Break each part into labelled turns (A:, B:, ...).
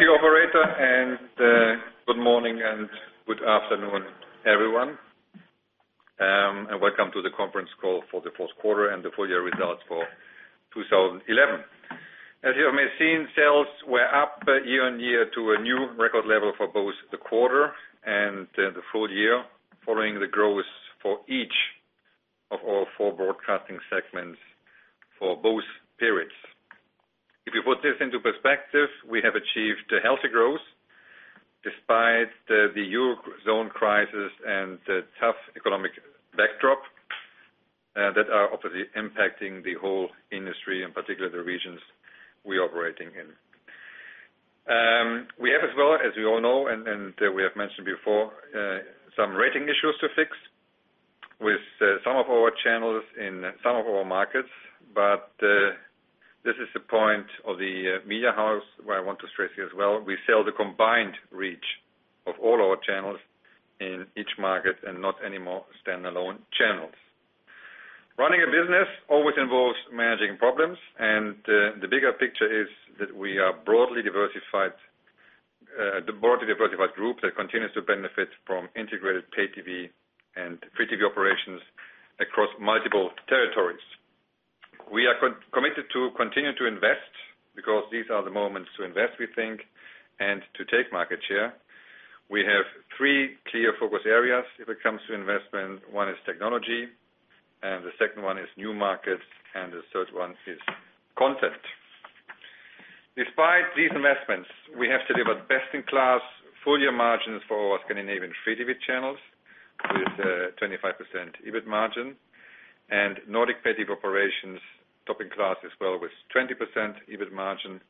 A: Thank you, operator, and good morning and good afternoon, everyone. Welcome to the Conference Call for the Fourth Quarter and the Full-year Results for 2011. As you may have seen, sales were up year on year to a new record level for both the quarter and the full year, following the growth for each of our four broadcasting segments for both periods. If you put this into perspective, we have achieved a healthy growth despite the eurozone crisis and the tough economic backdrop that are obviously impacting the whole industry, in particular the regions we are operating in. We have, as well, as we all know, and we have mentioned before, some rating issues to fix with some of our channels in some of our markets, but this is the point of the media house, what I want to stress here as well. We sell the combined reach of all our channels in each market and not any more standalone channels. Running a business always involves managing problems, and the bigger picture is that we are a broadly diversified group that continues to benefit from integrated pay-TV and free-TV operations across multiple territories. We are committed to continue to invest because these are the moments to invest, we think, and to take market share. We have three clear focus areas if it comes to investment. One is technology, the second one is new markets, and the third one is content. Despite these investments, we have delivered best-in-class full-year margins for our Scandinavian free-TV channels with a 25% EBIT margin, and Nordic pay-TV operations topped in class as well with 20% EBIT margin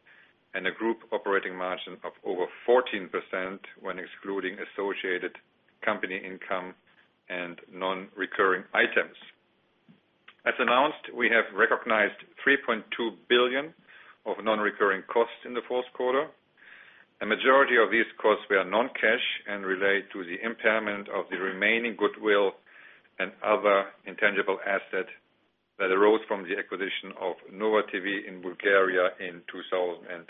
A: and a group operating margin of over 14% when excluding associated company income and non-recurring items. As announced, we have recognized 3.2 billion of non-recurring costs in the fourth quarter. A majority of these costs were non-cash and related to the impairment of the remaining goodwill and other intangible assets that arose from the acquisition of Nordic TV in Bulgaria in 2008.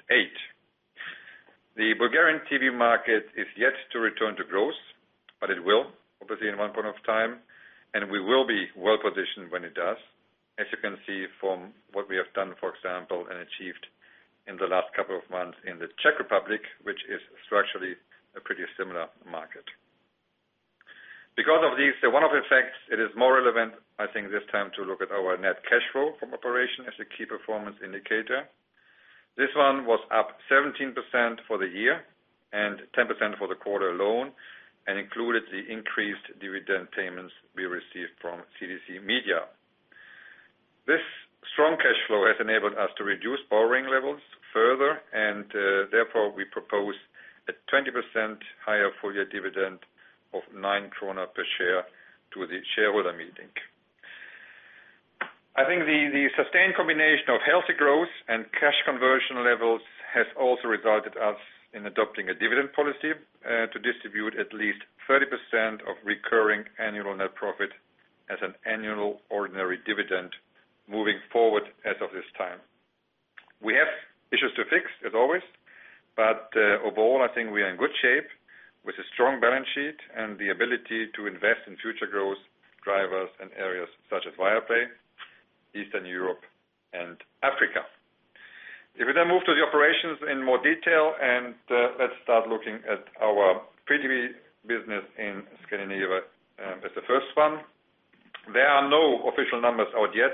A: The Bulgarian TV market is yet to return to growth, but it will, obviously, at one point in time, and we will be well-positioned when it does, as you can see from what we have done, for example, and achieved in the last couple of months in the Czech Republic, which is structurally a pretty similar market. Because of these one-off effects, it is more relevant, I think, this time to look at our net cash flow from operation as a key performance indicator. This one was up 17% for the year and 10% for the quarter alone and included the increased dividend payments we received from CDC Media. This strong cash flow has enabled us to reduce borrowing levels further, and therefore, we propose a 20% higher full-year dividend of 9 krona per share to the shareholder meeting. I think the sustained combination of healthy growth and cash conversion levels has also resulted in us adopting a dividend policy to distribute at least 30% of recurring annual net profit as an annual ordinary dividend moving forward as of this time. We have issues to fix, as always, but overall, I think we are in good shape with a strong balance sheet and the ability to invest in future growth drivers in areas such as Viaplay, Eastern Europe, and Africa. If we then move to the operations in more detail, and let's start looking at our free-TV business in Scandinavia as the first one. There are no official numbers out yet,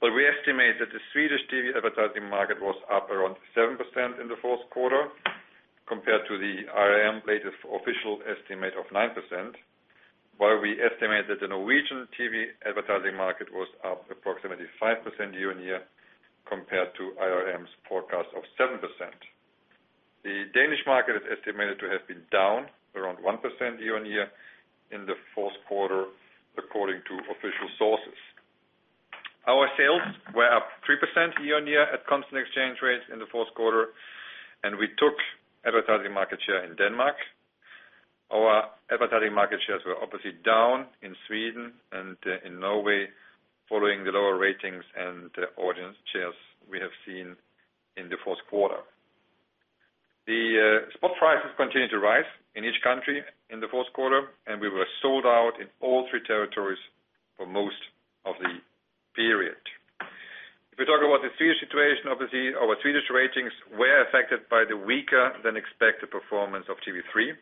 A: but we estimate that the Swedish TV advertising market was up around 7% in the fourth quarter compared to the IRM latest official estimate of 9%, while we estimate that the Norwegian TV advertising market was up approximately 5% year-on-year compared to IRM's forecast of 7%. The Danish market is estimated to have been down around 1% year-on-year in the fourth quarter, according to official sources. Our sales were up 3% year on year at constant exchange rates in the fourth quarter, and we took advertising market share in Denmark. Our advertising market shares were obviously down in Sweden and in Norway, following the lower ratings and audience shares we have seen in the fourth quarter. The spot prices continue to rise in each country in the fourth quarter, and we were sold out in all three territories for most of the period. If we talk about the Swedish situation, obviously, our Swedish ratings were affected by the weaker than expected performance of TV3,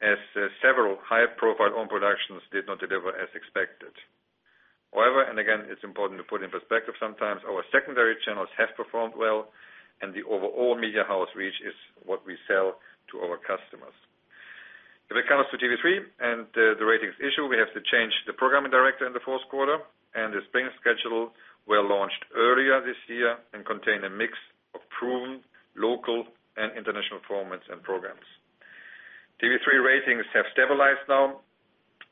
A: as several high-profile home productions did not deliver as expected. However, and again, it's important to put in perspective sometimes, our secondary channels have performed well, and the overall media house reach is what we sell to our customers. If it comes to TV3 and the ratings issue, we have to change the programming director in the fourth quarter, and the spring schedule was launched earlier this year and contains a mix of prime, local, and international formats and programs. TV3 ratings have stabilized now,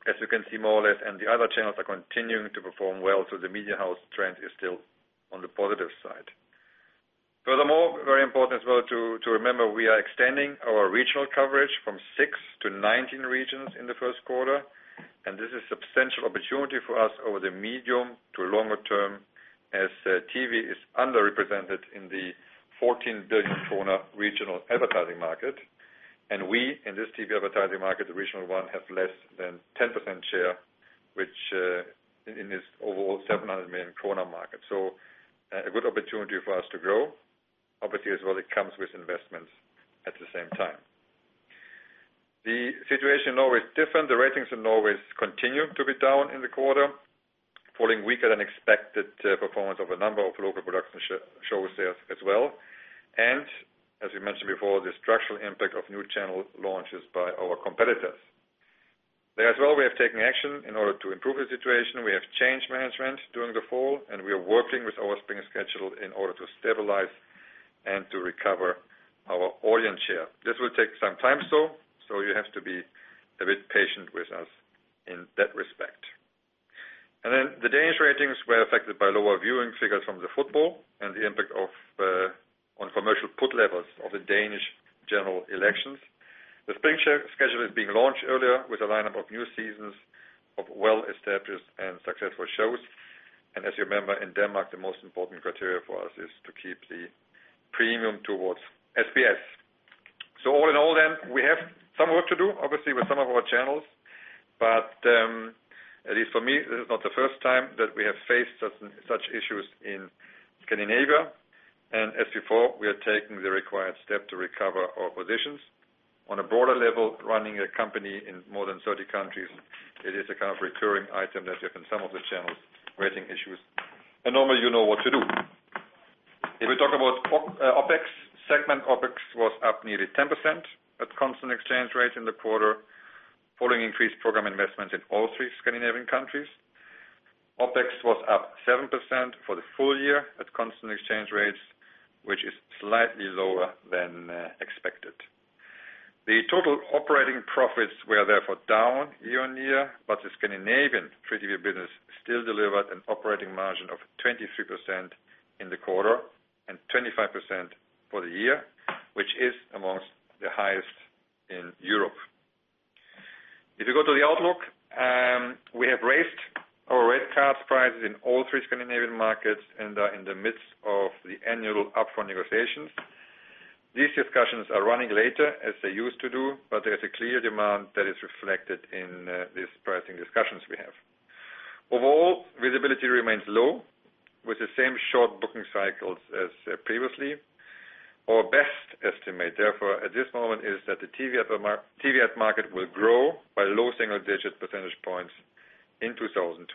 A: as we can see more or less, and the other channels are continuing to perform well, so the media house trend is still on the positive side. Furthermore, very important as well to remember, we are extending our regional coverage from 6 to 19 regions in the first quarter, and this is a substantial opportunity for us over the medium to longer term as TV is underrepresented in the 14 billion regional advertising market. We, in this TV advertising market, the regional one, have less than 10% share, which in this overall 700 million kronor market. A good opportunity for us to grow, obviously, as well it comes with investments at the same time. The situation in Norway is different. The ratings in Norway continue to be down in the quarter, following weaker than expected performance of a number of local production show sales as well, and as we mentioned before, the structural impact of new channel launches by our competitors. There as well, we have taken action in order to improve the situation. We have changed management during the fall, and we are working with our spring schedule in order to stabilize and to recover our audience share. This will take some time though, so you have to be a bit patient with us in that respect. The Danish ratings were affected by lower viewing figures from the football and the impact on commercial put levels of the Danish general elections. The spring schedule is being launched earlier with a lineup of new seasons of well-established and successful shows. As you remember, in Denmark, the most important criteria for us is to keep the premium towards SBS. All in all then, we have some work to do, obviously, with some of our channels, but at least for me, this is not the first time that we have faced such issues in Scandinavia. As before, we are taking the required step to recover our positions. On a broader level, running a company in more than 30 countries, it is a kind of recurring item that you have in some of the channels rating issues. Normally, you know what to do. If we talk about OpEx segment, OpEx was up nearly 10% at constant exchange rates in the quarter, following increased program investments in all three Scandinavian countries. OpEx was up 7% for the full year at constant exchange rates, which is slightly lower than expected. The total operating profits were therefore down year-on-year, but the Scandinavian free-TV business still delivered an operating margin of 23% in the quarter and 25% for the year, which is amongst the highest in Europe. If you go to the outlook, we have raised our rate card prices in all three Scandinavian markets and are in the midst of the annual upfront negotiations. These discussions are running later as they used to do, but there is a clear demand that is reflected in these pricing discussions we have. Overall, visibility remains low with the same short booking cycles as previously. Our best estimate, therefore, at this moment is that the TV ad market will grow by low single-digit percentage points in 2012.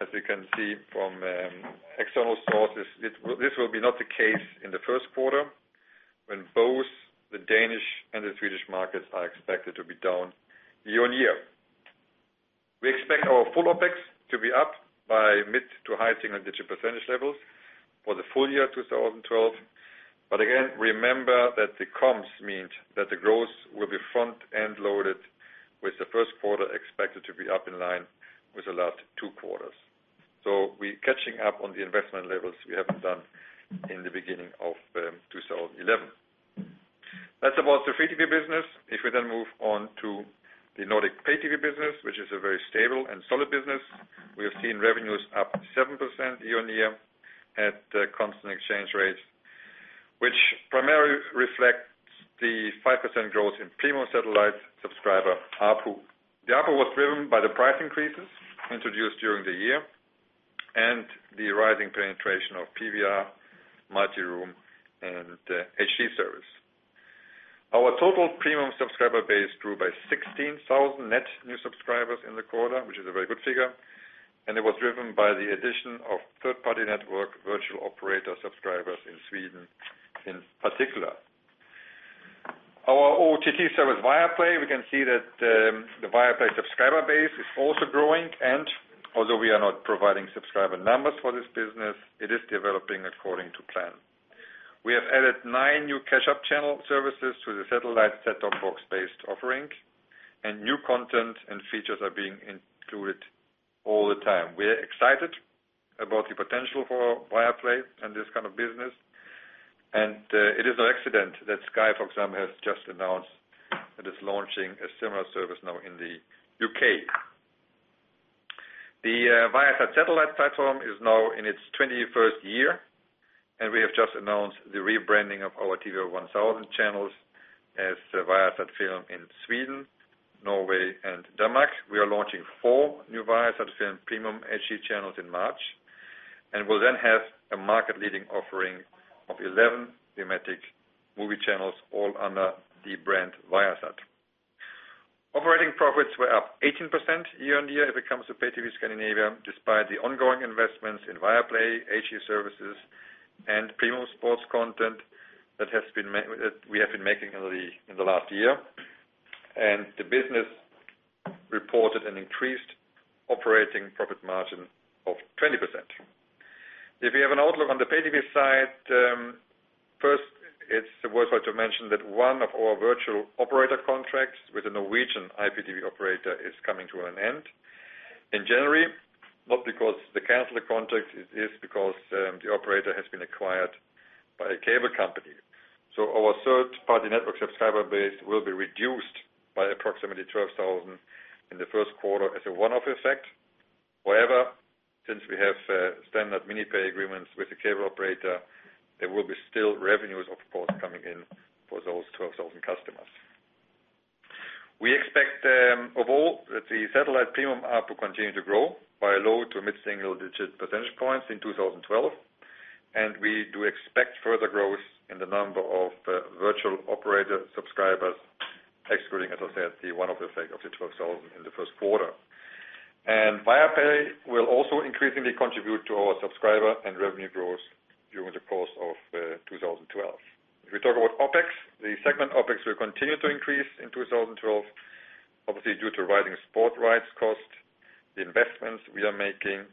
A: As we can see from external sources, this will not be the case in the first quarter when both the Danish and the Swedish markets are expected to be down year-on-year. We expect our full OpEx to be up by mid to high single-digit percentage levels for the full year 2012. Again, remember that the comms mean that the growth will be front-end loaded with the first quarter expected to be up in line with the last two quarters. We are catching up on the investment levels we have done in the beginning of 2011. That's about the free-TV business. If we then move on to the Nordic pay-TV business, which is a very stable and solid business, we have seen revenues up 7% year-on-year at constant exchange rates, which primarily reflects the 5% growth in premium satellite subscriber ARPU. The ARPU was driven by the price increases introduced during the year and the rising penetration of PVR, multiroom, and HD service. Our total premium subscriber base grew by 16,000 net new subscribers in the quarter, which is a very good figure, and it was driven by the addition of third-party network virtual operator subscribers in Sweden in particular. Our OTT service Viaplay, we can see that the Viaplay subscriber base is also growing, and although we are not providing subscriber numbers for this business, it is developing according to plan. We have added nine new catch-up channel services to the satellite set-top box-based offering, and new content and features are being included all the time. We are excited about the potential for Viaplay and this kind of business, and it is no accident that Skyfox has just announced that it's launching a similar service now in the UK. The Viasat satellite platform is now in its 21st year, and we have just announced the rebranding of our TV 1000 channels as Viasat Film in Sweden, Norway, and Denmark. We are launching four new Viasat Film premium HD channels in March, and we'll then have a market-leading offering of 11 thematic movie channels all under the brand Viasat. Operating profits were up 18% year-on-year if it comes to pay-TV Scandinavia, despite the ongoing investments in Viaplay, HD services, and premium sports content that we have been making in the last year. The business reported an increased operating profit margin of 20%. If you have an outlook on the pay-TV side, first, it's worthwhile to mention that one of our virtual operator contracts with the Norwegian IPTV operator is coming to an end in January, not because they canceled the contract, it is because the operator has been acquired by a cable company. Our third-party network subscriber base will be reduced by approximately 12,000 in the first quarter as a one-off effect. However, since we have standard mini-pay agreements with the cable operator, there will be still revenues, of course, coming in for those 12,000 customers. We expect them of all that the satellite premium app will continue to grow by low to mid-single-digit percentage points in 2012, and we do expect further growth in the number of virtual operator subscribers, excluding, as I said, the one-off effect of the 12,000 in the first quarter. Viaplay will also increasingly contribute to our subscriber and revenue growth during the course of 2012. If we talk about OpEx, the segment OpEx will continue to increase in 2012, obviously due to rising sports rights costs, the investments we are making,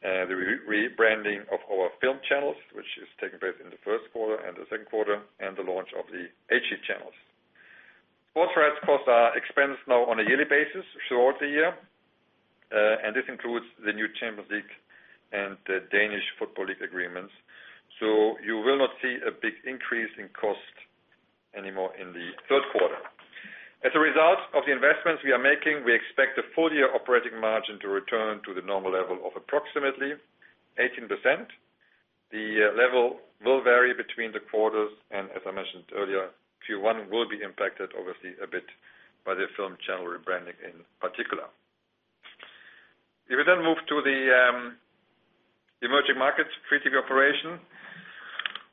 A: and the rebranding of our film channels, which is taking place in the first quarter and the second quarter, and the launch of the HD channels. Sports rights costs are expensed now on a yearly basis throughout the year, and this includes the new Champions League and the Danish Football League agreements. You will not see a big increase in cost anymore in the third quarter. As a result of the investments we are making, we expect the full-year operating margin to return to the normal level of approximately 18%. The level will vary between the quarters, and as I mentioned earlier, Q1 will be impacted, obviously, a bit by the film channel rebranding in particular. If we then move to the emerging markets free-TV operation,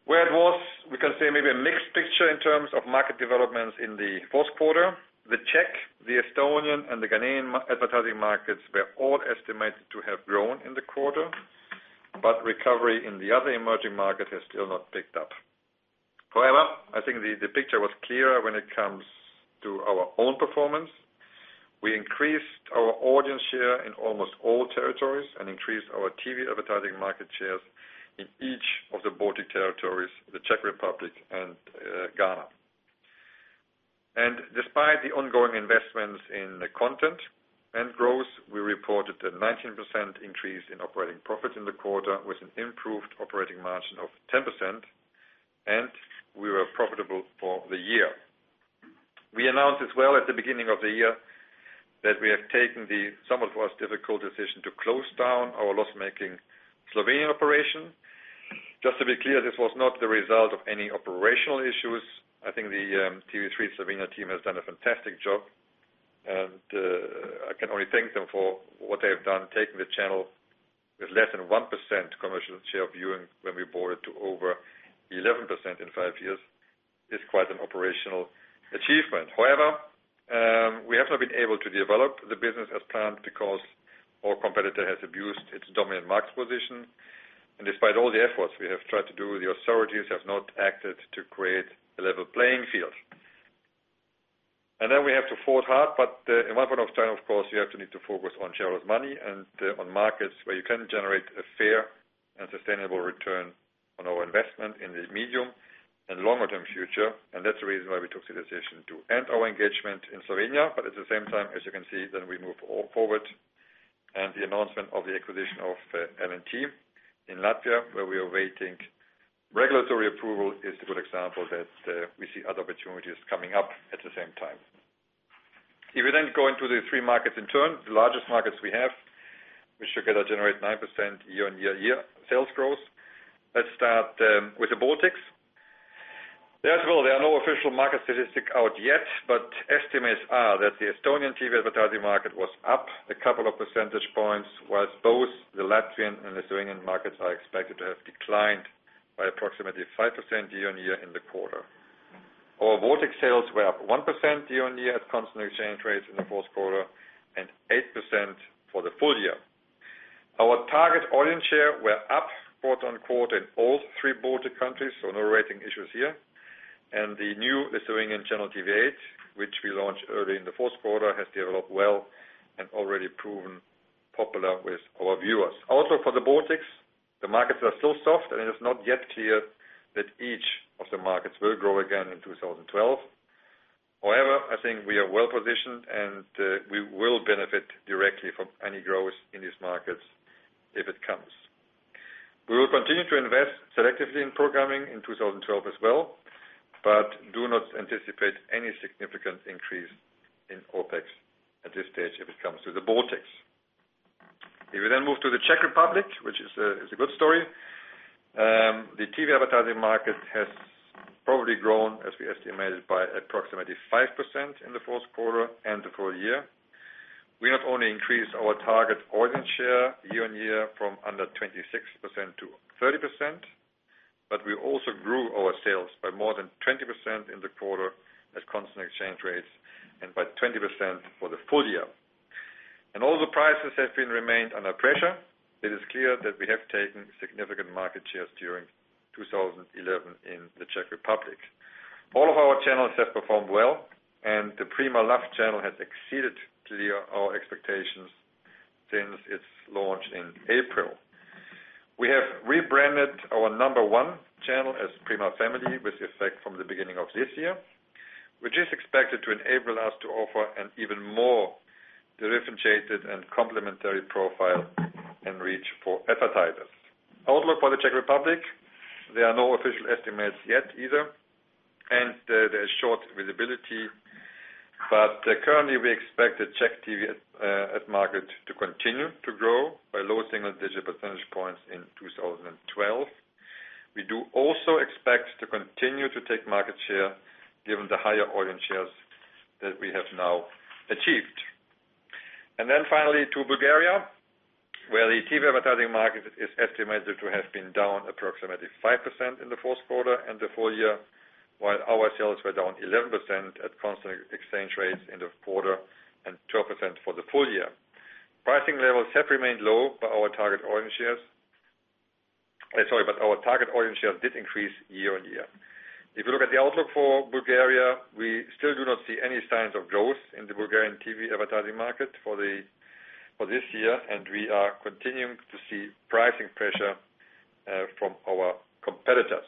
A: where it was, we can say maybe a mixed picture in terms of market developments in the fourth quarter. The Czech, the Estonian, and the Ghanaian advertising markets were all estimated to have grown in the quarter, but recovery in the other emerging markets has still not picked up. However, I think the picture was clearer when it comes to our own performance. We increased our audience share in almost all territories and increased our TV advertising market shares in each of the Baltic territories, the Czech Republic, and Ghana. Despite the ongoing investments in the content and growth, we reported a 19% increase in operating profits in the quarter with an improved operating margin of 10%, and we were profitable for the year. We announced as well at the beginning of the year that we have taken the somewhat difficult decision to close down our loss-making Slovenian operation. Just to be clear, this was not the result of any operational issues. I think the TV3 Slovenia team has done a fantastic job, and I can only thank them for what they have done, taking the channel with less than 1% commercial share of viewing when we bought it to over 11% in five years. It's quite an operational achievement. However, we have not been able to develop the business as planned because our competitor has abused its dominant market position, and despite all the efforts we have tried to do, the authorities have not acted to create a level playing field. We have fought hard, but at one point in time, of course, you have to focus on shareholders' money and on markets where you can generate a fair and sustainable return on our investment in the medium and longer-term future, and that's the reason why we took the decision to end our engagement in Slovenia. At the same time, as you can see, we move forward, and the announcement of the acquisition of MNT in Latvia, where we are awaiting regulatory approval, is a good example that we see other opportunities coming up at the same time. If we then go into the three markets in turn, the largest markets we have, which together generate 9% year-on-year sales growth, let's start with the Baltics. There as well, there are no official market statistics out yet, but estimates are that the Estonian TV advertising market was up a couple of percentage points, while both the Latvian and Lithuanian markets are expected to have declined by approximately 5% year-on-year in the quarter. Our Baltic sales were up 1% year-on-year at constant exchange rates in the fourth quarter and 8% for the full year. Our target audience share were up "quote-unquote" in all three Baltic countries, so no rating issues here. The new Lithuanian channel TV8, which we launched early in the fourth quarter, has developed well and already proven popular with our viewers. Outlook for the Baltics, the markets are still soft, and it is not yet clear that each of the markets will grow again in 2012. However, I think we are well-positioned, and we will benefit directly from any growth in these markets if it comes. We will continue to invest selectively in programming in 2012 as well, but do not anticipate any significant increase in OpEx at this stage if it comes to the Baltics. If we then move to the Czech Republic, which is a good story, the TV advertising market has probably grown, as we estimated, by approximately 5% in the fourth quarter and the full year. We not only increased our target audience share year-on-year from under 26% to 30%, but we also grew our sales by more than 20% in the quarter at constant exchange rates and by 20% for the full year. Although prices have remained under pressure, it is clear that we have taken significant market shares during 2011 in the Czech Republic. All of our channels have performed well, and the Prima Love channel has exceeded our expectations since its launch in April. We have rebranded our number one channel as Prima Family with effect from the beginning of this year, which is expected to enable us to offer an even more differentiated and complementary profile and reach for advertisers. Outlook for the Czech Republic, there are no official estimates yet either, and there is short visibility, but currently, we expect the Czech TV ad market to continue to grow by low single-digit percentage points in 2012. We do also expect to continue to take market share given the higher audience shares that we have now achieved. And then finally, to Bulgaria, where the TV advertising market is estimated to have been down approximately 5% in the fourth quarter and the full year, while our sales were down 11% at constant exchange rates in the quarter and 12% for the full year. Pricing levels have remained low, but our target audience shares did increase year-on-year. If you look at the outlook for Bulgaria, we still do not see any signs of growth in the Bulgarian TV advertising market for this year, and we are continuing to see pricing pressure from our competitors.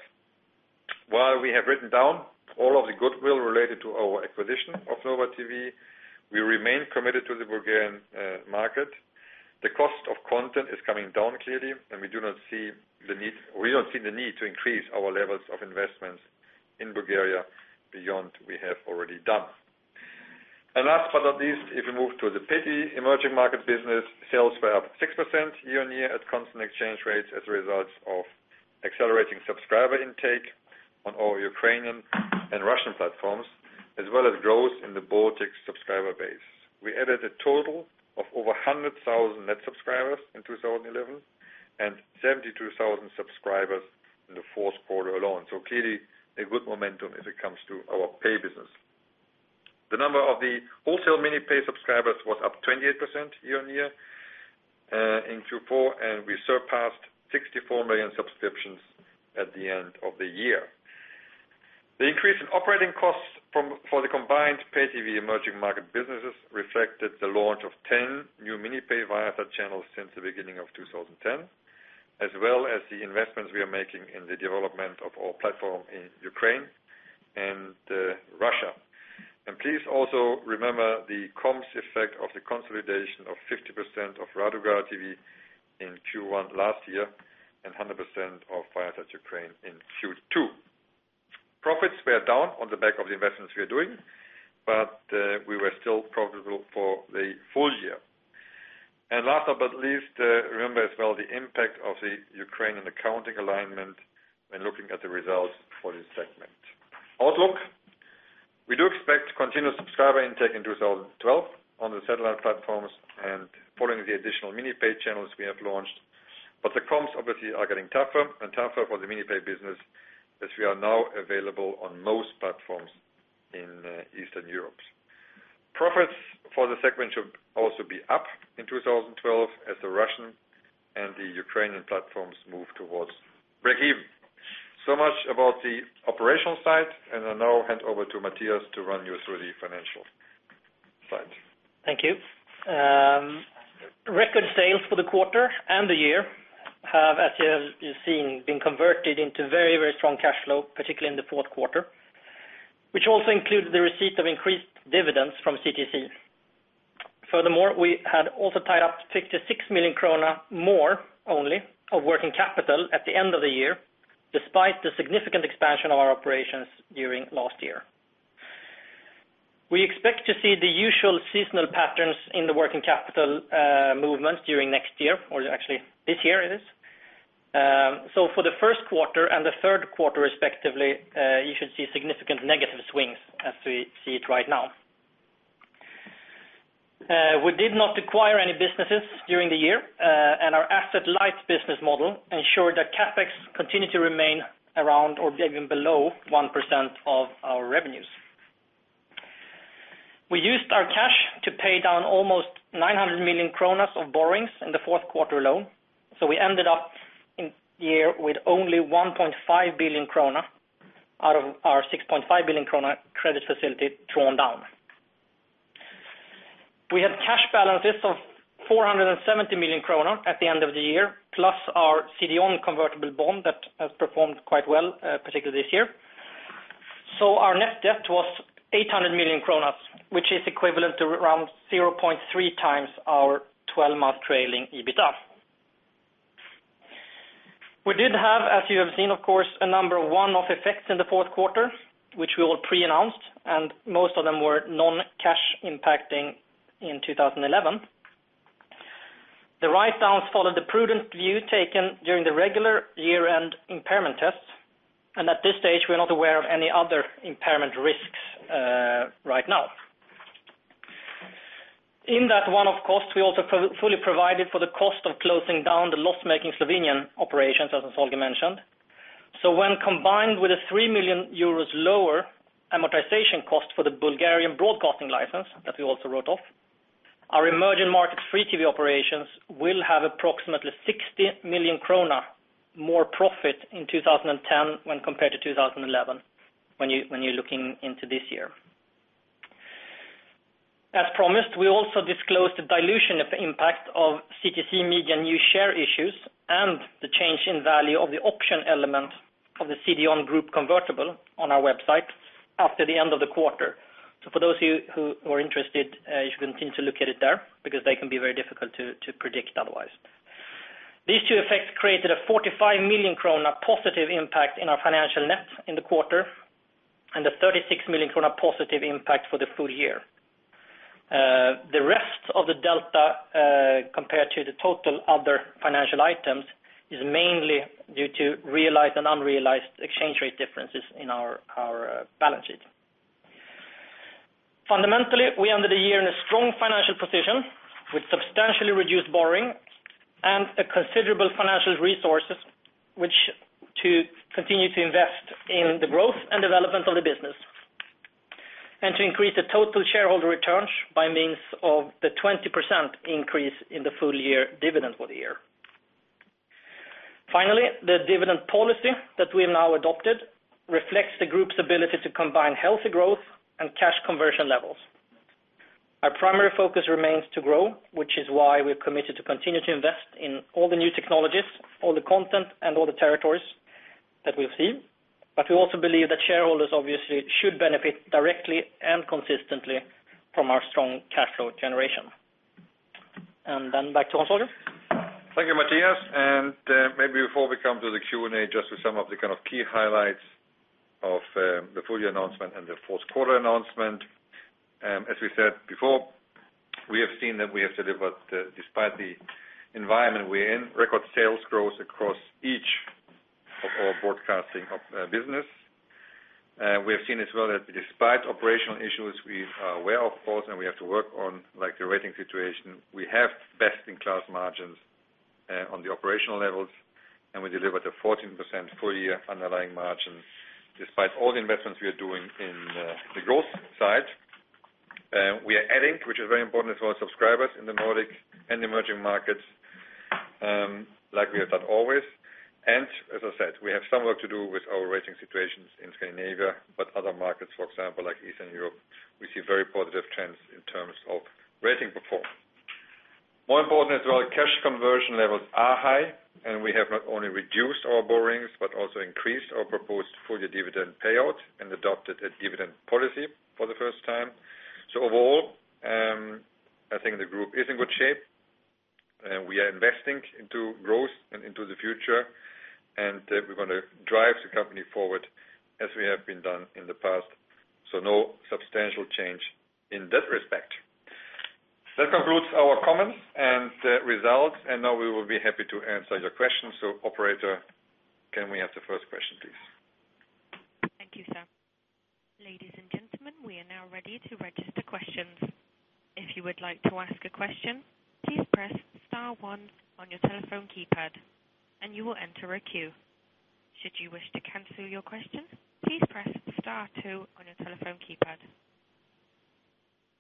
A: While we have written down all of the goodwill related to our acquisition of Nova TV, we remain committed to the Bulgarian market. The cost of content is coming down clearly, and we do not see the need to increase our levels of investments in Bulgaria beyond what we have already done. Last but not least, if we move to the pay-TV emerging market business, sales were up 6% year-on-year at constant exchange rates as a result of accelerating subscriber intake on our Ukrainian and Russian platforms, as well as growth in the Baltic subscriber base. We added a total of over 100,000 net subscribers in 2011 and 72,000 subscribers in the fourth quarter alone. Clearly, a good momentum if it comes to our pay business. The number of the wholesale mini-pay subscribers was up 28% year-on-year in Q4, and we surpassed 64 million subscriptions at the end of the year. The increase in operating costs for the combined pay-TV emerging market businesses reflected the launch of 10 new mini-pay Viaplay channels since the beginning of 2010, as well as the investments we are making in the development of our platform in Ukraine and Russia. Please also remember the comms effect of the consolidation of 50% of Raduga TV in Q1 last year and 100% of Viasat Ukraine in Q2. Profits were down on the back of the investments we are doing, but we were still profitable for the full year. Last but not least, remember as well the impact of the Ukrainian accounting alignment when looking at the results for this segment. Outlook, we do expect continuous subscriber intake in 2012 on the satellite platforms and following the additional mini-pay channels we have launched, but the comms obviously are getting tougher and tougher for the mini-pay business as we are now available on most platforms in Eastern Europe. Profits for the segment should also be up in 2012 as the Russian and the Ukrainian platforms move towards break-even. That covers much about the operational side. I'll now hand over to Mathias to run you through the financial side.
B: Thank you. Record sales for the quarter and the year have, as you've seen, been converted into very, very strong cash flow, particularly in the fourth quarter, which also included the receipt of increased dividends from CTC. Furthermore, we had also tied up 56 million krona more only of working capital at the end of the year, despite the significant expansion of our operations during last year. We expect to see the usual seasonal patterns in the working capital movements during next year, or actually this year, it is. For the first quarter and the third quarter respectively, you should see significant negative swings as we see it right now. We did not acquire any businesses during the year, and our asset-light business model ensured that CapEx continued to remain around or even below 1% of our revenues. We used our cash to pay down almost 900 million kronor of borrowings in the fourth quarter alone, so we ended up in the year with only 1.5 billion krona out of our 6.5 billion krona credit facility drawn down. We had cash balances of 470 million kronor at the end of the year, plus our CDON convertible bond that has performed quite well, particularly this year. Our net debt was 800 million kronor, which is equivalent to around 0.3x our 12-month trailing EBITDA. We did have, as you have seen, of course, a number of one-off effects in the fourth quarter, which we all pre-announced, and most of them were non-cash impacting in 2011. The write-downs followed the prudent view taken during the regular year-end impairment tests, and at this stage, we are not aware of any other impairment risks right now. In that one-off cost, we also fully provided for the cost of closing down the loss-making Slovenian operations, as I've already mentioned. When combined with a 3 million euros lower amortization cost for the Bulgarian broadcasting license that we also wrote off, our emerging market free-TV operations will have approximately 60 million krona more profit in 2010 when compared to 2011, when you're looking into this year. As promised, we also disclosed the dilution impact of CTC Media new share issues and the change in value of the option element of the CDON Group convertible on our website after the end of the quarter. For those of you who are interested, you should continue to look at it there because they can be very difficult to predict otherwise. These two effects created a 45 million krona positive impact in our financial net in the quarter and a 36 million krona positive impact for the full year. The rest of the delta compared to the total other financial items is mainly due to realized and unrealized exchange rate differences in our balance sheet. Fundamentally, we ended the year in a strong financial position with substantially reduced borrowing and considerable financial resources to continue to invest in the growth and development of the business and to increase the total shareholder returns by means of the 20% increase in the full year dividend for the year. Finally, the dividend policy that we have now adopted reflects the group's ability to combine healthy growth and cash conversion levels. Our primary focus remains to grow, which is why we're committed to continue to invest in all the new technologies, all the content, and all the territories that we'll see. We also believe that shareholders obviously should benefit directly and consistently from our strong cash flow generation. Then back to Hans-Holger.
A: Thank you, Mathias. Maybe before we come to the Q&A, just with some of the kind of key highlights of the full year announcement and the fourth quarter announcement. As we said before, we have seen that we have delivered, despite the environment we're in, record sales growth across each of our broadcasting business. We have seen as well that despite operational issues we are aware of, of course, and we have to work on, like the rating situation, we have best-in-class margins on the operational levels, and we delivered a 14% full year underlying margin despite all the investments we are doing in the growth side. We are adding, which is very important as well, subscribers in the Nordic and emerging markets, like we have done always. As I said, we have some work to do with our rating situations in Scandinavia, but other markets, for example, like Eastern Europe, we see very positive trends in terms of rating perform. More important as well, cash conversion levels are high, and we have not only reduced our borrowings but also increased our proposed full year dividend payout and adopted a dividend policy for the first time. Overall, I think the group is in good shape, and we are investing into growth and into the future, and we want to drive the company forward as we have been done in the past. No substantial change in that respect. That concludes our comments and results, and now we will be happy to answer your questions. Operator, can we have the first question, please?
C: Thank you, sir. Ladies and gentlemen, we are now ready to register questions. If you would like to ask a question, please press star one on your telephone keypad, and you will enter a queue. Should you wish to cancel your question, please press star two on your telephone keypad.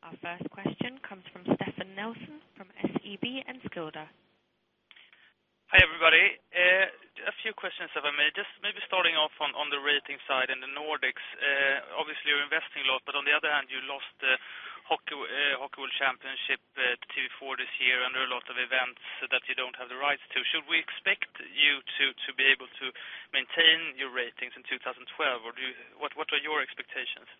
C: Our first question comes from Stefan Nelson from SEB and Skulda.
D: Hi everybody. A few questions if I may. Just maybe starting off on the rating side in the Nordics. Obviously, you're investing a lot, but on the other hand, you lost the Hockey World Championship to TV4 this year, and there are a lot of events that you don't have the rights to. Should we expect you to be able to maintain your ratings in 2012, or what are your expectations?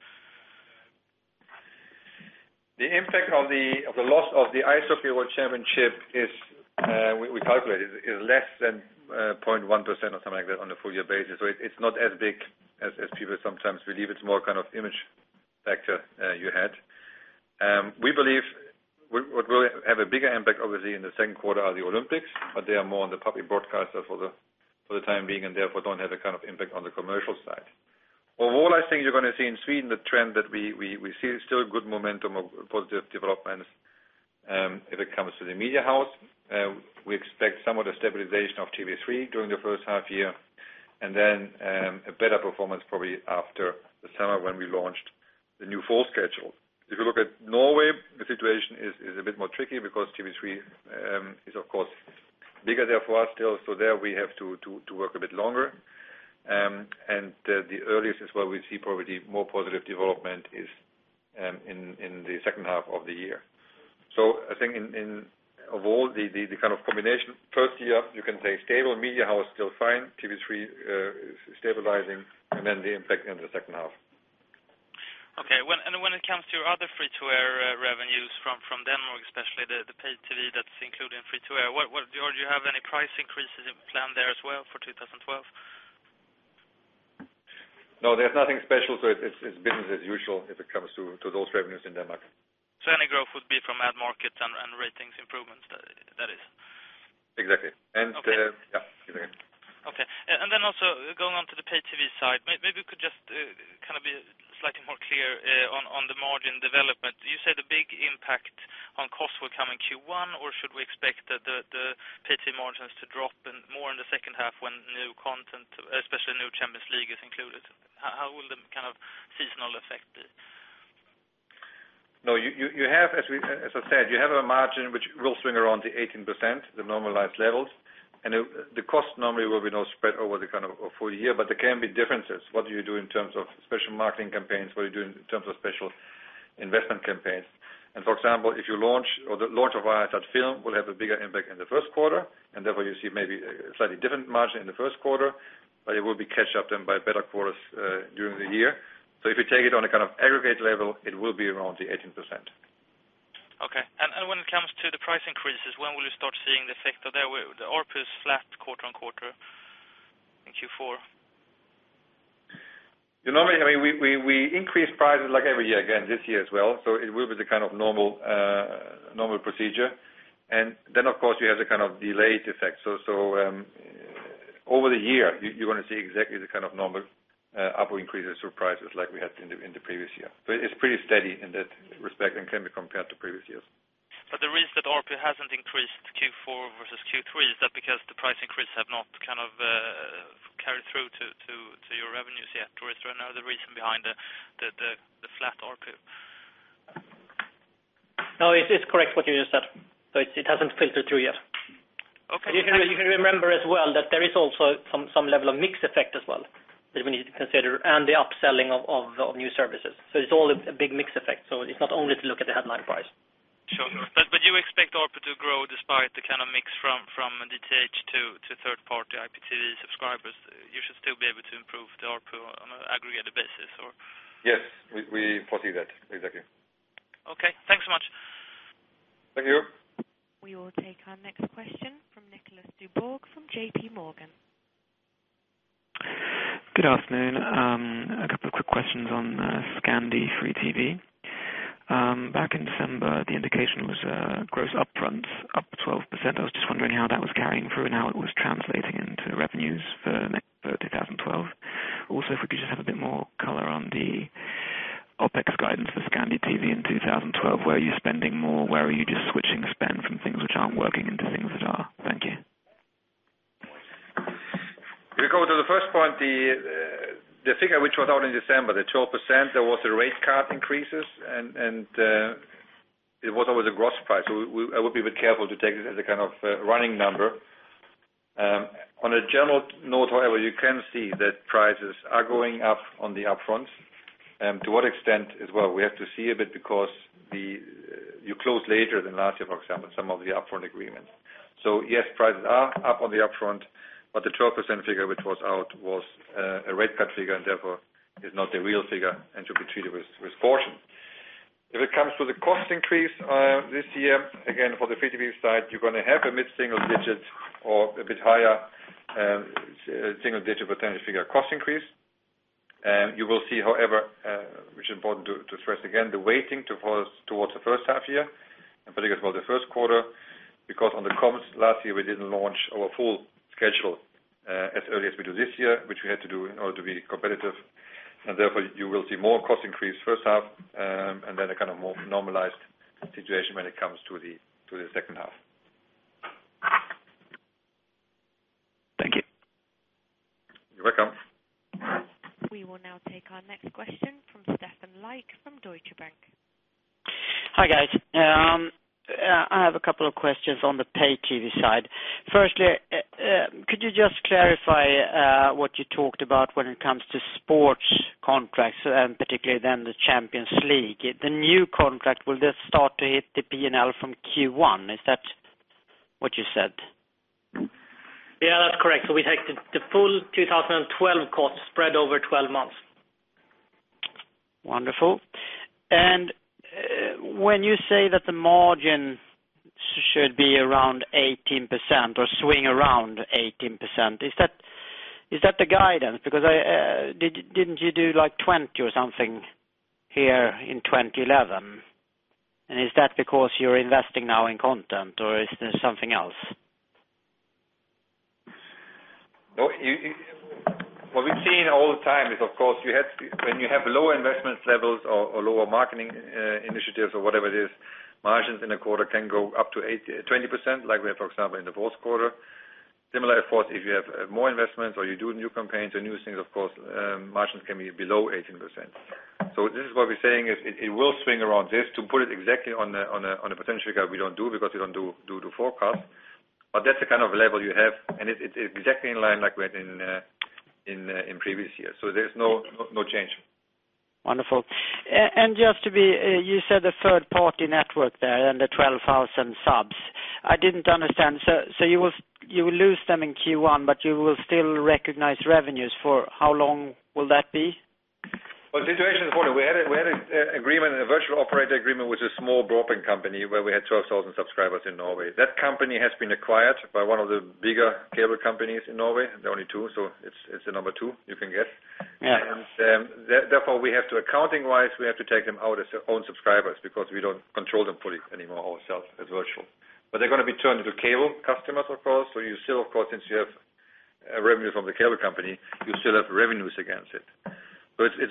A: The impact of the loss of the Icehockey World Championship, we calculated, is less than 0.1% or something like that on a full year basis. It is not as big as people sometimes believe. It is more kind of image factor you had. We believe what will have a bigger impact, obviously, in the second quarter are the Olympics, but they are more on the public broadcaster for the time being and therefore do not have a kind of impact on the commercial side. Overall, I think you are going to see in Sweden the trend that we see is still good momentum of positive developments if it comes to the media house. We expect somewhat of a stabilization of TV3 during the first half year and then a better performance probably after the summer when we launch the new fall schedule. If you look at Norway, the situation is a bit more tricky because TV3 is, of course, bigger there for us still. There we have to work a bit longer, and the earliest where we see probably more positive development is in the second half of the year. I think overall, the kind of combination first year, you can say stable media house is still fine, TV3 is stabilizing, and then the impact in the second half.
D: Okay. When it comes to other free-TV revenues from Denmark, especially the pay-TV that's included in free-TV, do you have any price increases in plan there as well for 2012?
A: No, there's nothing special to it. It's business as usual if it comes to those revenues in Denmark.
D: Any growth would be from ad markets and ratings improvements, that is?
A: Exactly, exactly.
D: Okay. Also, going on to the pay-TV side, maybe we could just kind of be slightly more clear on the margin development. You say the big impact on costs will come in Q1, or should we expect the pay-TV margins to drop more in the second half when new content, especially new Champions League, is included? How will the kind of seasonal effect be?
A: No, you have, as I said, you have a margin which will swing around to 18%, the normalized levels, and the cost normally will be spread over the kind of full year, but there can be differences. What do you do in terms of special marketing campaigns? What do you do in terms of special investment campaigns? For example, if you launch or the launch of Viaplay Film will have a bigger impact in the first quarter, and therefore you see maybe a slightly different margin in the first quarter, but it will be catch-up then by better quarters during the year. If you take it on a kind of aggregate level, it will be around the 18%.
D: Okay. When it comes to the price increases, when will you start seeing the effect of that? The ARPU is flat quarter on quarter in Q4.
A: Normally, I mean, we increase prices like every year, again this year as well. It will be the kind of normal procedure. Of course, you have the kind of delayed effect. Over the year, you're going to see exactly the kind of normal ARPU increases through prices like we had in the previous year. It's pretty steady in that respect and can be compared to previous years.
D: The reason that ARPU hasn't increased Q4 versus Q3, is that because the price increases have not kind of carried through to your revenues yet, or is there another reason behind the flat ARPU?
B: No, it's correct what you just said. It hasn't filtered through yet.
D: Okay.
B: You can remember as well that there is also some level of mix effect as well that we need to consider, and the upselling of new services. It's all a big mix effect. It's not only to look at the headline price.
D: Sure. You expect ARPU to grow despite the kind of mix from DTH to third-party IPTV subscribers? You should still be able to improve the ARPU on an aggregated basis, or?
A: Yes, we foresee that. Exactly.
D: Okay, thanks so much.
A: Thank you.
C: We will take our next question from Nicholas Dubourg from JPMorgan.
E: Good afternoon. A couple of quick questions on Scandi free-TV. Back in December, the indication was gross upfront up 12%. I was just wondering how that was carrying through and how it was translating into revenues for 2012. Also, if we could just have a bit more color on the OpEx guidance for Scandi TV in 2012, where are you spending more? Where are you just switching spends and things which aren't working into things that are? Thank you.
A: If we go to the first point, the figure we thought out in December, the 12%, there was a rate cap increase, and it was always a gross price. I would be a bit careful to take this as a kind of running number. On a general note, however, you can see that prices are going up on the upfront. To what extent as well, we have to see a bit because you close later than last year, for example, some of the upfront agreements. Yes, prices are up on the upfront, but the 12% figure which was out was a rate cap figure and therefore is not the real figure and should be treated with caution. If it comes to the cost increase this year, again, for the free-TV side, you're going to have a mid-single-digit or a bit higher single-digit percentage figure cost increase. You will see, however, which is important to stress again, the weighting towards the first half year and particularly towards the first quarter because on the comms last year, we didn't launch our full schedule as early as we do this year, which we had to do in order to be competitive. Therefore, you will see more cost increase first half and then a kind of more normalized situation when it comes to the second half. You're welcome.
C: We will now take our next question from Stefan Leich from Deutsche Bank.
F: Hi guys. I have a couple of questions on the pay-TV side. Firstly, could you just clarify what you talked about when it comes to sports contracts and particularly then the Champions League? The new contract will just start to hit the P&L from Q1. Is that what you said?
B: Yeah, that's correct. We take the full 2012 cost spread over 12 months.
F: Wonderful. When you say that the margin should be around 18% or swing around 18%, is that the guidance? Didn't you do like 20% or something here in 2011? Is that because you're investing now in content or is there something else?
A: What we've seen all the time is, of course, when you have lower investment levels or lower marketing initiatives or whatever it is, margins in a quarter can go up to 20% like we have, for example, in the fourth quarter. Similar efforts, if you have more investments or you do new campaigns or new things, of course, margins can be below 18%. This is what we're saying is it will swing around. Just to put it exactly on a potential figure, we don't do because we don't do forecasts. That's the kind of level you have, and it's exactly in line like we had in previous years. There's no change.
F: Wonderful. Just to be clear, you said the third-party network there and the 12,000 subs. I didn't understand. You will lose them in Q1, but you will still recognize revenues for how long will that be?
A: The situation is important. We had an agreement, a virtual operator agreement with a small broadband company where we had 12,000 subscribers in Norway. That company has been acquired by one of the bigger cable companies in Norway, the only two. It is the number two you can get. Therefore, we have to, accounting-wise, take them out as own subscribers because we don't control them fully anymore ourselves as virtual. They're going to be turned into cable customers, of course. You still, of course, since you have revenue from the cable company, have revenues against it. It is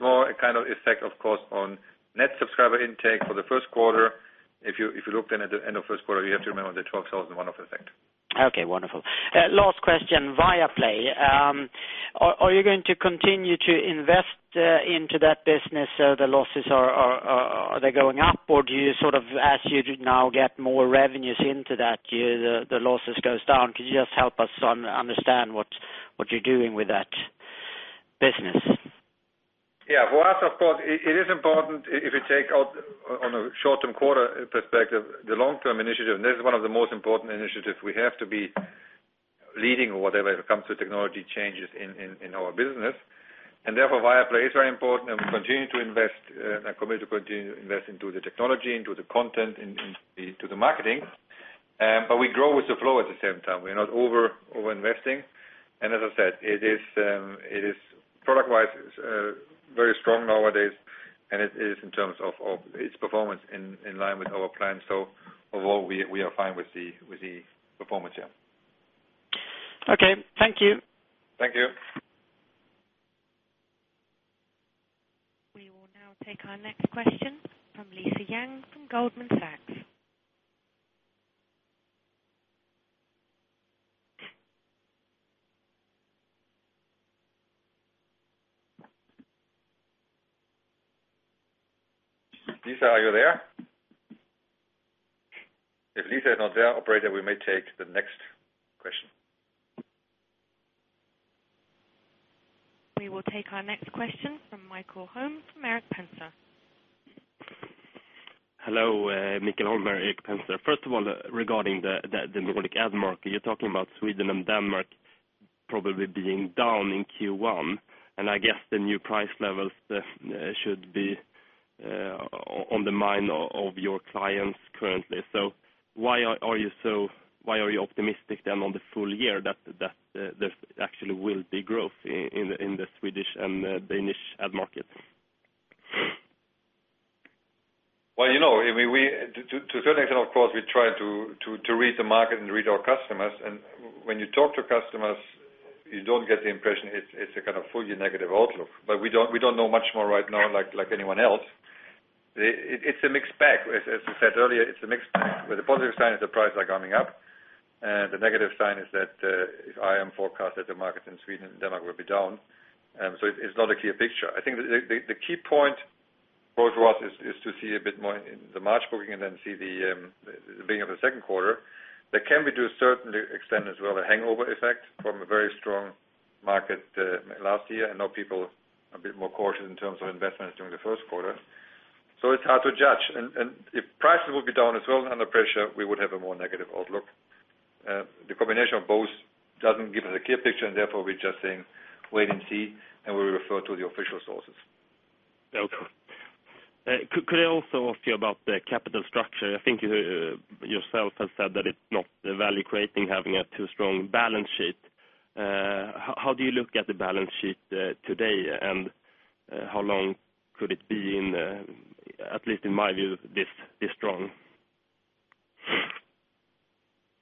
A: more a kind of effect, of course, on net subscriber intake for the first quarter. If you look then at the end of the first quarter, you have to remember the 12,000 one-off effect.
F: Okay, wonderful. Last question, Viaplay. Are you going to continue to invest into that business? Are the losses, are they going up or do you sort of, as you now get more revenues into that, the losses go down? Could you just help us understand what you're doing with that business?
A: As I've thought, it is important if you take on a short-term quarter perspective, the long-term initiative, and this is one of the most important initiatives we have to be leading or whatever it comes to technology changes in our business. Therefore, Viaplay is very important, and we continue to invest, and I committed to continue to invest into the technology, into the content, into the marketing. We grow with the flow at the same time. We're not over-investing. As I said, it is product-wise very strong nowadays, and it is in terms of its performance in line with our plans. Overall, we are fine with the performance here.
F: Okay, thank you.
A: Thank you.
C: We will now take our next question from Lisa Yang from Goldman Sachs.
A: Lisa, are you there? If Lisa is not there, Operator, we may take the next question.
C: We will take our next question from Mikael Holm from Erik Penser.
G: Hello, Mikael Holm, Erik Penser. First of all, regarding the Nordic ad market, you're talking about Sweden and Denmark probably being down in Q1, and I guess the new price levels should be on the mind of your clients currently. Why are you optimistic then on the full year that there actually will be growth in the Swedish and Danish ad market?
A: To a certain extent, of course, we're trying to read the market and read our customers. When you talk to customers, you don't get the impression it's a kind of fully negative outlook. We don't know much more right now like anyone else. It's a mixed bag. As we said earlier, it's mixed with the positive sign that prices are coming up, and the negative sign is that if I am forecast that the market in Sweden and Denmark will be down. It's not a clear picture. I think the key point for us is to see a bit more in the March booking and then see the beginning of the second quarter. That can be due to a certain extent as well to the hangover effect from a very strong market last year, and now people are a bit more cautious in terms of investments during the first quarter. It's hard to judge. If prices will be down as well and under pressure, we would have a more negative outlook. The combination of both doesn't give us a clear picture, and therefore we're just saying wait and see, and we refer to the official sources.
G: Okay. Could I also ask you about the capital structure? I think you yourself have said that it's not value creating having a too strong balance sheet. How do you look at the balance sheet today, and how long could it be in, at least in my view, this strong?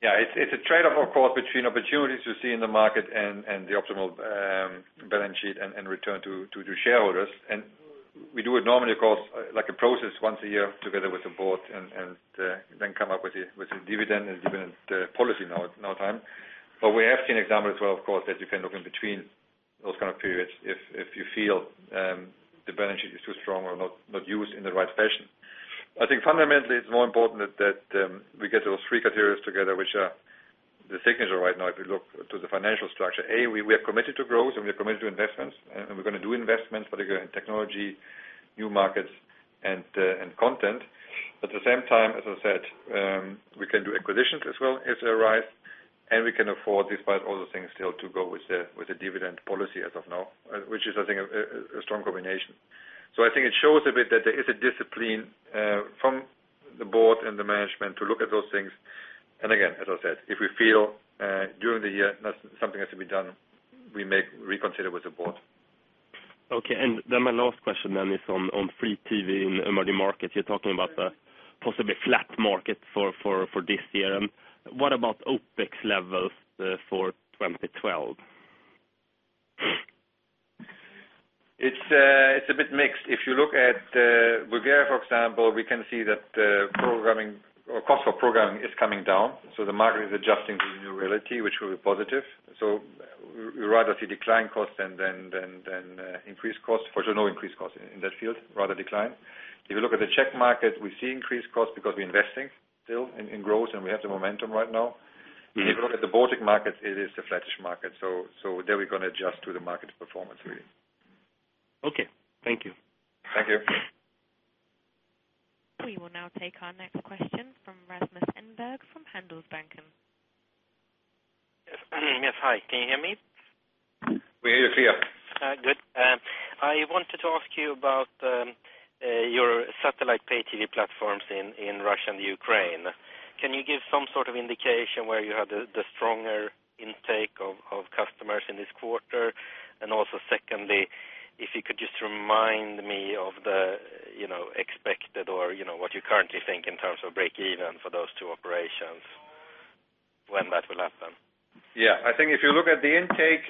A: Yeah, it's a trade-off, of course, between opportunities you see in the market and the optimal balance sheet and return to shareholders. We do it normally, of course, like a process once a year together with the board and then come up with the dividend and the dividend policy now time. We have seen examples as well, of course, that you can look in between those kind of periods if you feel the balance sheet is too strong or not used in the right fashion. I think fundamentally it's more important that we get those three criteria together, which are the signature right now if you look to the financial structure. A, we are committed to growth and we are committed to investments, and we're going to do investments, particularly in technology, new markets, and content. At the same time, as I said, we can do acquisitions as well as they arise, and we can afford despite all the things still to go with the dividend policy as of now, which is, I think, a strong combination. I think it shows a bit that there is a discipline from the board and the management to look at those things. Again, as I said, if we feel during the year something has to be done, we may reconsider with the board.
G: Okay. My last question then is on free-TV in the market. You're talking about the possibly flat market for this year. What about OpEx levels for 2012?
A: It's a bit mixed. If you look at Bulgaria, for example, we can see that programming or cost for programming is coming down. The market is adjusting to the new reality, which will be positive. We rather see decline costs than increased costs. Fortunately, no increased costs in that field, rather decline. If you look at the Czech market, we see increased costs because we're investing still in growth and we have the momentum right now. If you look at the Baltic markets, it is the flat market. There we're going to adjust to the market performance, really.
D: Okay. Thank you.
A: Thank you.
C: We will now take our next question from Rasmus Enberg from Handelsbanken.
H: Yes, hi. Can you hear me?
A: We hear you clearly.
H: Good. I wanted to ask you about your satellite pay-TV platforms in Russia and Ukraine. Can you give some sort of indication where you had the stronger intake of customers in this quarter? Also, if you could just remind me of the expected or what you currently think in terms of break-even for those two operations, when that will happen?
A: Yeah, I think if you look at the intake,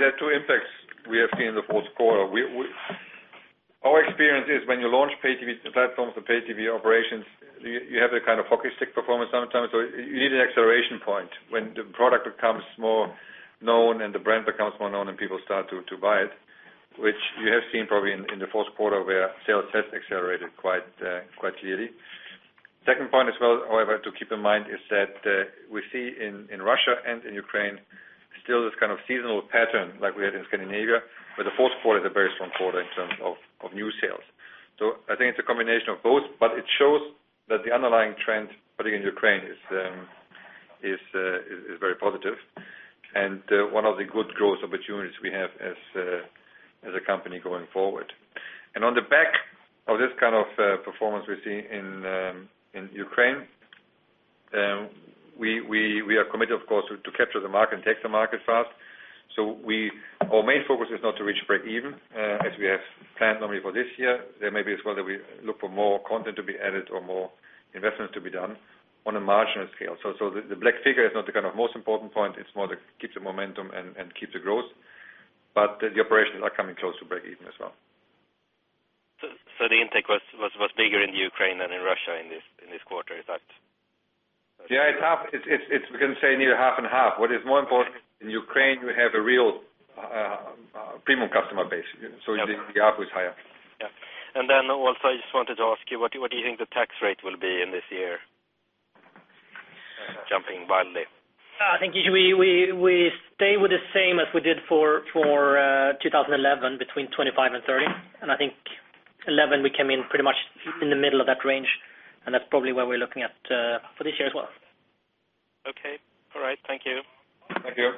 A: there are two impacts we have seen in the fourth quarter. Our experience is when you launch pay-TV platforms for pay-TV operations, you have a kind of hockey stick performance sometimes. You need an acceleration point when the product becomes more known and the brand becomes more known and people start to buy it, which you have seen probably in the fourth quarter where sales have accelerated quite clearly. The second point as well, however, to keep in mind is that we see in Russia and in Ukraine still this kind of seasonal pattern like we had in Scandinavia, where the fourth quarter is a very strong quarter in terms of new sales. I think it's a combination of both, but it shows that the underlying trend, particularly in Ukraine, is very positive and one of the good growth opportunities we have as a company going forward. On the back of this kind of performance we see in Ukraine, we are committed, of course, to capture the market and take the market fast. Our main focus is not to reach break-even as we have planned normally for this year. There may be as well that we look for more content to be added or more investments to be done on a marginal scale. The black figure is not the kind of most important point. It's more to keep the momentum and keep the growth. The operations are coming close to break-even as well.
H: The intake was bigger in Ukraine than in Russia in this quarter. Is that?
A: Yeah, it's half. We can say nearly half and half. What is more important, in Ukraine you have a real premium customer base, so the ARPU is higher.
H: I just wanted to ask you, what do you think the tax rate will be this year, jumping widely?
B: I think we stay with the same as we did for 2011, between 25% and 30%. I think 2011 we came in pretty much in the middle of that range. That's probably where we're looking at for this year as well.
H: Okay. All right. Thank you.
A: Thank you.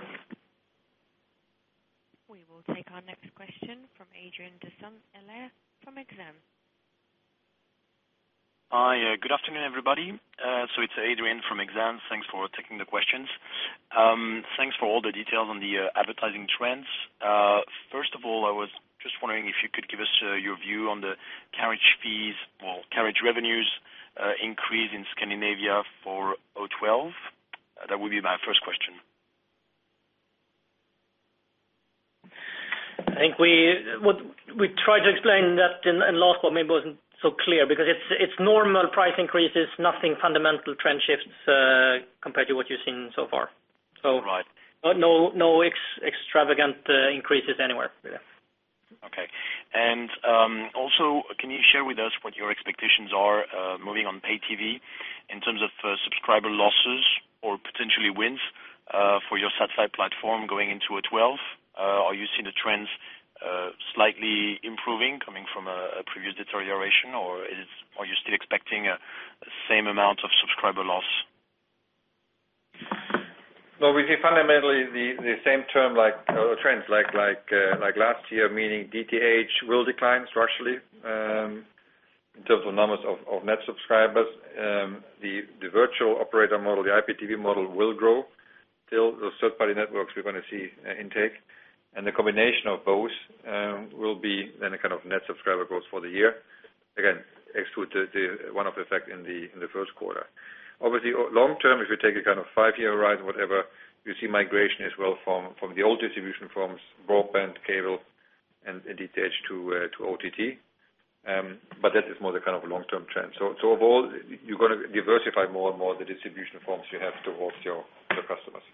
C: We will take our next question from Adrian Dissum-Eller from Exam.
I: Hi. Good afternoon, everybody. It's Adrian from Exam. Thanks for taking the questions. Thanks for all the details on the advertising trends. First of all, I was just wondering if you could give us your view on the carriage fees, carriage revenues increase in Scandinavia for 2012. That would be my first question.
B: I think we tried to explain that in the last one. Maybe it wasn't so clear because it's normal price increases, nothing fundamental trend shifts compared to what you've seen so far. No extravagant increases anywhere, really.
I: Okay. Can you share with us what your expectations are moving on pay-TV in terms of subscriber losses or potentially wins for your satellite platform going into 2012? Are you seeing the trends slightly improving coming from a previous deterioration, or are you still expecting the same amount of subscriber loss?
A: We see fundamentally the same trends like last year, meaning DTH will decline structurally in terms of numbers of net subscribers. The virtual operator model, the IPTV model will grow. Still, the third-party networks we're going to see intake, and the combination of both will be then a kind of net subscriber growth for the year. Again, exclude the one-off effect in the first quarter. Obviously, long term, if you take a kind of five-year right or whatever, you see migration as well from the old distribution forms, broadband, cable, and DTH to OTT. That is more the kind of long-term trend. Overall, you're going to diversify more and more the distribution forms you have towards your customers.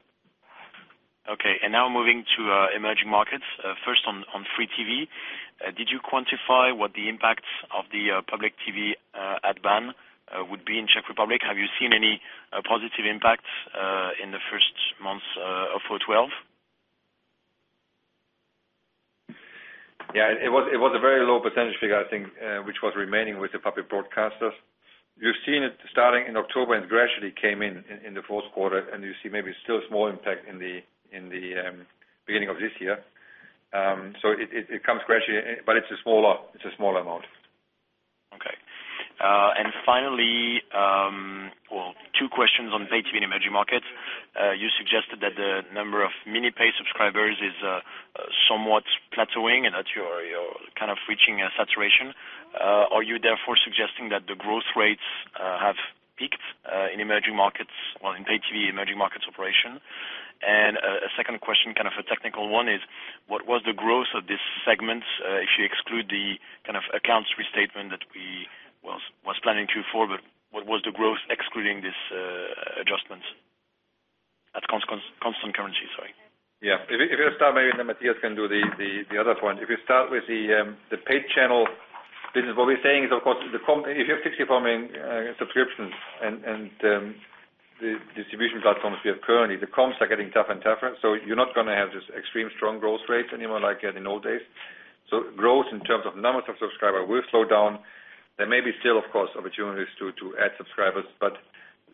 I: Okay. Now moving to emerging markets. First on free-TV, did you quantify what the impacts of the public TV ad ban would be in Czech Republic? Have you seen any positive impacts in the first months of 2012?
A: Yeah, it was a very low percentage figure, I think, which was remaining with the public broadcasters. You've seen it starting in October, and it gradually came in in the fourth quarter, and you see maybe still a small impact in the beginning of this year. It comes gradually, but it's a smaller amount.
I: Okay. Finally, two questions on pay-TV in emerging markets. You suggested that the number of mini-pay subscribers is somewhat plateauing and that you're kind of reaching a saturation. Are you therefore suggesting that the growth rates have peaked in emerging markets or in pay-TV emerging markets operation? A second question, kind of a technical one, is what was the growth of this segment if you exclude the kind of accounts restatement that we were planning to forward? What was the growth excluding this adjustment at constant currency, sorry?
A: Yeah. If you start maybe and Mathias can do the other point. If you start with the pay-TV channel business, what we're saying is, of course, if you have 64 million subscriptions and the distribution platforms we have currently, the comms are getting tough and tougher. You are not going to have this extreme strong growth rate anymore like in old days. Growth in terms of numbers of subscribers will slow down. There may be still, of course, opportunities to add subscribers, but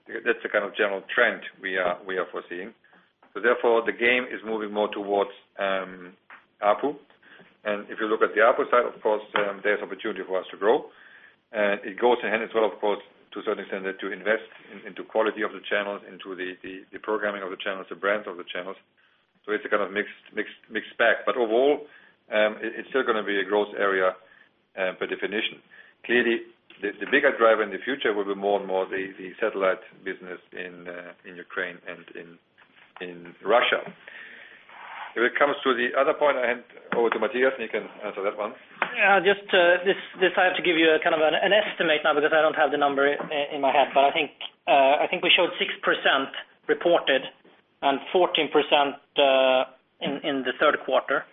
A: that's the kind of general trend we are foreseeing. Therefore, the game is moving more towards ARPU. If you look at the ARPU side, of course, there's opportunity for us to grow. It goes ahead as well, of course, to a certain extent to invest into quality of the channel, into the programming of the channels, the brands of the channels. It's a kind of mixed bag. Overall, it's still going to be a growth area per definition. Clearly, the bigger driver in the future will be more and more the satellite business in Ukraine and in Russia. If it comes to the other point, I hand over to Mathias, and you can answer that one.
B: I have to give you a kind of an estimate now because I don't have the number in my head, but I think we showed 6% reported and 14% in the third quarter.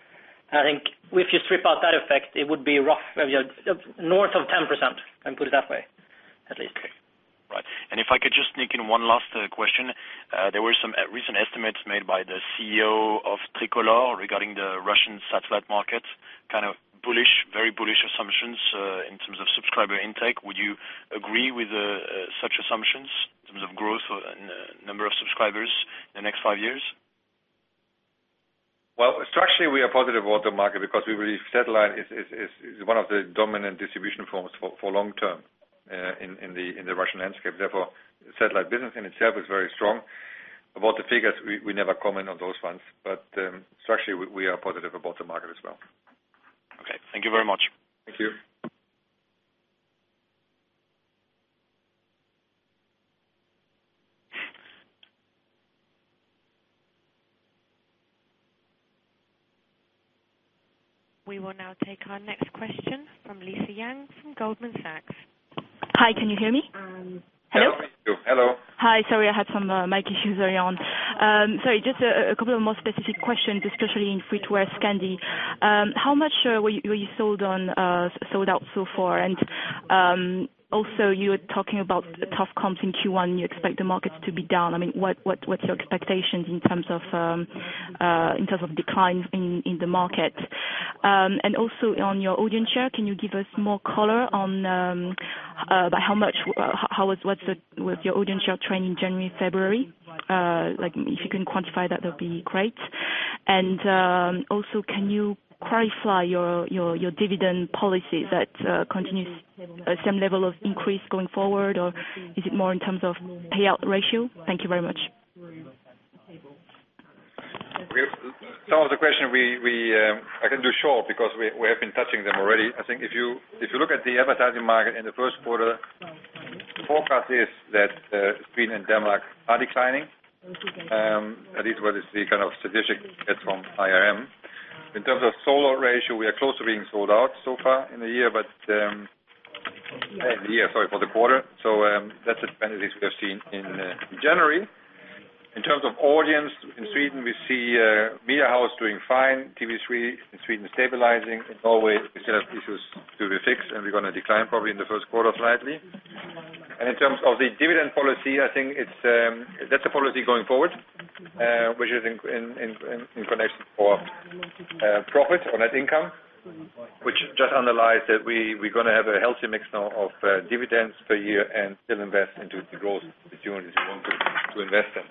B: I think if you strip out that effect, it would be roughly north of 10%. I can put it that way, at least.
I: Okay. Right. If I could just sneak in one last question, there were some recent estimates made by the CEO of Tricolor regarding the Russian satellite markets, kind of bullish, very bullish assumptions in terms of subscriber intake. Would you agree with such assumptions in terms of growth in the number of subscribers in the next five years?
A: Structurally, we are positive about the market because we believe satellite is one of the dominant distribution forms for long term in the Russian landscape. Therefore, the satellite business in itself is very strong. About the figures, we never comment on those ones, but structurally, we are positive about the market as well.
I: Okay. Thank you very much.
A: Thank you.
C: We will now take our next question from Lisa Yang from Goldman Sachs.
J: Hi, can you hear me? Hello?
A: Hello?
J: Hi. Sorry, I had some mic issues early on. Sorry, just a couple of more specific questions, especially in free-TV Scandinavia. How much were you sold out so far? Also, you were talking about the tough comms in Q1. You expect the markets to be down. What's your expectation in terms of declines in the market? On your audience share, can you give us more color on how much was your audience share trend in January and February? If you can quantify that, that would be great. Can you clarify your dividend policy? Is that continuous same level of increase going forward, or is it more in terms of payout ratio? Thank you very much.
A: Some of the questions I can do short because we have been touching them already. I think if you look at the advertising market in the first quarter, the forecast is that Sweden and Denmark are declining. That is what is the kind of statistic we get from IRM. In terms of solo ratio, we are close to being sold out so far in the year, for the quarter. That's the tendencies we have seen in January. In terms of audience in Sweden, we see media house doing fine. TV3 in Sweden is stabilizing. In Norway, we still have issues to be fixed, and we're going to decline probably in the first quarter slightly. In terms of the dividend policy, I think that's a policy going forward, which is in connection for profit on net income, which just underlies that we're going to have a healthy mix now of dividends per year and still invest into the growth opportunities if you want to invest them.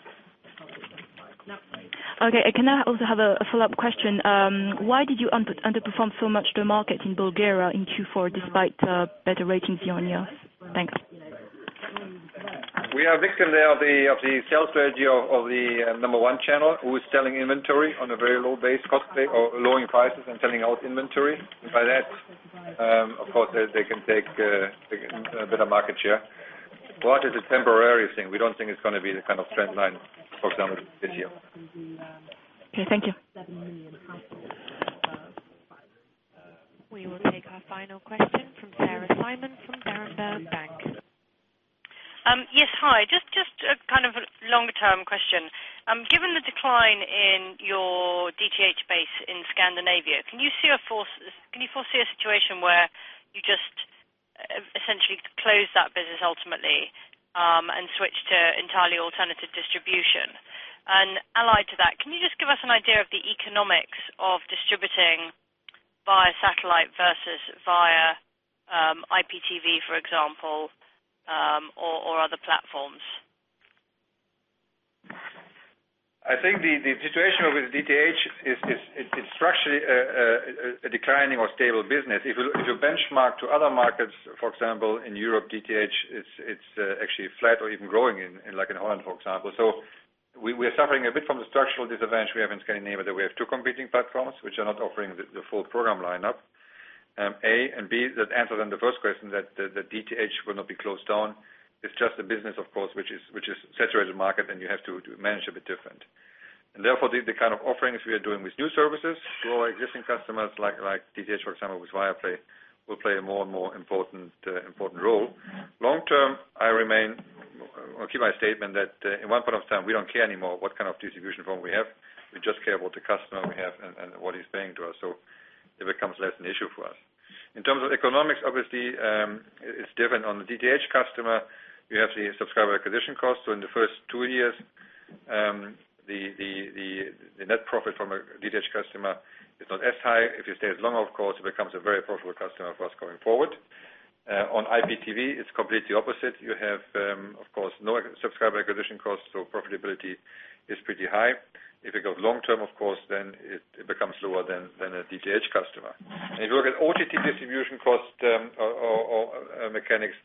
J: Okay. I can now also have a follow-up question. Why did you underperform so much the market in Bulgaria in Q4 despite better ratings year-on-year? Thanks.
A: We are a victim there of the sales strategy of the number one channel, who is selling inventory on a very low base cost, lowering prices and selling out inventory. By that, of course, they can take a better market share. It's a temporary thing. We don't think it's going to be the kind of trend line, for example, this year.
J: Okay. Thank you.
C: We will take our final question from Sarah Slyman from Berenberg Bank.
K: Yes, hi. Just a kind of long-term question. Given the decline in your DTH base in Scandinavia, can you see a force? Can you foresee a situation where you just essentially close that business ultimately and switch to entirely alternative distribution? Allied to that, can you just give us an idea of the economics of distributing via satellite versus via IPTV, for example, or other platforms?
A: I think the situation with DTH is structurally a declining or stable business. If you benchmark to other markets, for example, in Europe, DTH is actually flat or even growing in, like in Holland, for example. We are suffering a bit from the structural disadvantage we have in Scandinavia that we have two competing platforms which are not offering the full program lineup. That answered then the first question that DTH will not be closed down. It's just a business, of course, which is a saturated market, and you have to manage a bit different. Therefore, the kind of offerings we are doing with new services to our existing customers like DTH, for example, with Viaplay, will play a more and more important role. Long term, I remain or keep my statement that at one point in time, we don't care anymore what kind of distribution form we have. We just care about the customer we have and what he's paying to us. It becomes less an issue for us. In terms of economics, obviously, it's different on the DTH customer. You have the subscriber acquisition cost. In the first two years, the net profit from a DTH customer is not as high. If you stay as long, of course, it becomes a very profitable customer for us going forward. On IPTV, it's completely opposite. You have, of course, no subscriber acquisition costs, so profitability is pretty high. If it goes long term, of course, then it becomes lower than a DTH customer. If you look at OTT distribution costs or mechanics,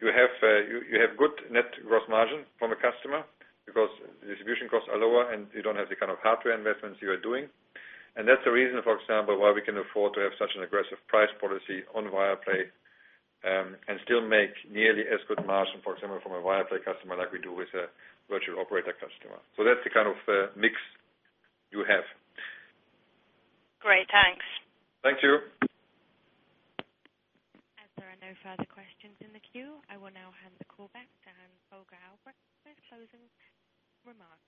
A: you have good net gross margin from a customer because distribution costs are lower and you don't have the kind of hardware investments you are doing. That's a reason, for example, why we can afford to have such an aggressive price policy on Viaplay and still make nearly as good margin, for example, from a Viaplay customer like we do with a virtual operator customer. That's the kind of mix you have.
K: Great. Thanks.
A: Thank you.
C: As there are no further questions in the queue, I will now hand the call back to Hans-Holger Albrecht for his closing remarks.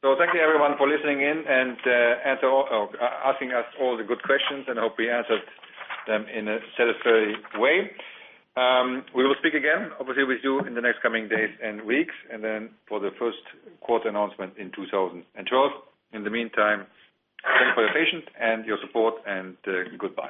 A: Thank you, everyone, for listening in and asking us all the good questions. I hope we answered them in a satisfying way. We will speak again with you in the next coming days and weeks, and then for the first quarter announcement in 2012. In the meantime, thank you for your patience and your support, and good luck.